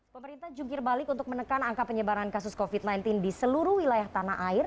pemerintah jungkir balik untuk menekan angka penyebaran kasus covid sembilan belas di seluruh wilayah tanah air